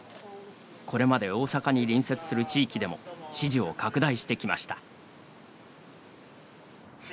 これまで大阪に隣接する地域でも支持を拡大してきました。